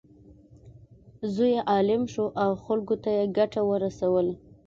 زوی یې عالم شو او خلکو ته یې ګټه ورسوله.